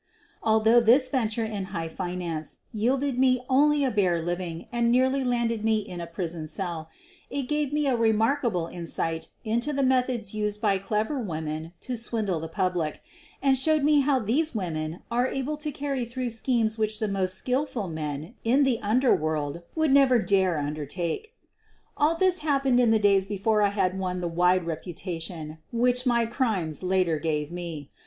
Although this venture in high finance yielded me only a bare living and nearly landed me in a prison cell, it gave me a remarkable insight into the meth ods used by clever women to swindle the public, and showed me how these women are able to carry through schemes which the most skillful men in the underworld would never dare undertake. All this happened in the days before I had won the wide reputation which my crimes later gave me.